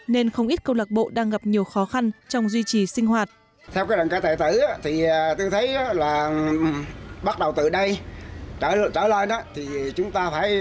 nên không ít câu lạc bộ đang gặp nhiều khó khăn trong duy trì sinh hoạt